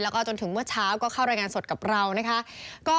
แล้วก็จนถึงเมื่อเช้าก็เข้ารายงานสดกับเรานะคะ